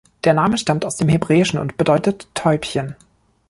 Der Name stammt aus dem Hebräischen und bedeutet „Täubchen“.